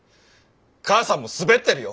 母さんもスベってるよ。